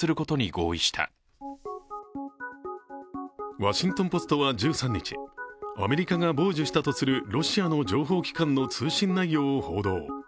「ワシントン・ポスト」は１３日、アメリカが傍受したとするロシアの情報機関の通信内容を報道。